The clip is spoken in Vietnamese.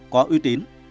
có uy tín